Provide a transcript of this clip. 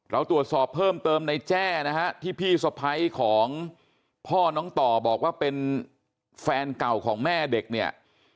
เราตรวจสอบเพิ่มเติมในแจ้นะฮะที่พี่สะพ้ายของพ่อน้องต่อบอกว่าเป็นแฟนเก่าของแม่เด็กเนี่ย